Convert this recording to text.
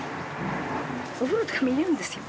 お風呂とか見えるんですよ。